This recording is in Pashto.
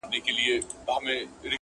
د یوې ورځي لګښت خواست یې ترې وکړ،